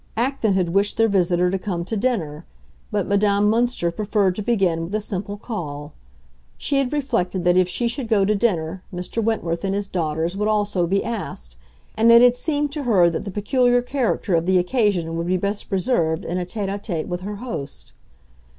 Acton had wished their visitor to come to dinner; but Madame Münster preferred to begin with a simple call. She had reflected that if she should go to dinner Mr. Wentworth and his daughters would also be asked, and it had seemed to her that the peculiar character of the occasion would be best preserved in a tête à tête with her host.